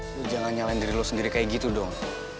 lo jangan nyalahin diri lo sendiri kayak gitu dong